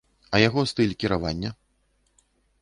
А яго стыль кіравання?